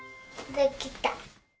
できた。